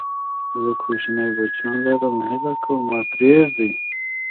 زه کوچني بچيان لرم، هيله کوم ما پرېږدئ!